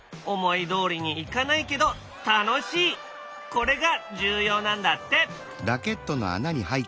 これが重要なんだって。